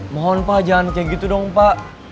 mohon pak jangan kayak gitu dong pak